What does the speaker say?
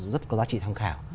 rất có giá trị tham khảo